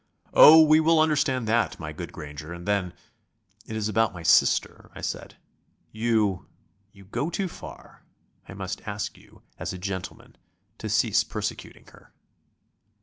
"Oh, we will understand that, my good Granger, and then ..." "It is about my sister," I said "you you go too far. I must ask you, as a gentleman, to cease persecuting her."